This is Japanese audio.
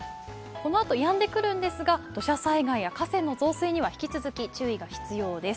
このあとやんでくるんですが土砂災害や河川の増水に、引き続き、注意が必要です。